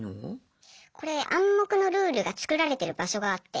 これ暗黙のルールが作られてる場所があって。